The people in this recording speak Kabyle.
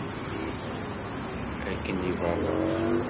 Akken iberreq.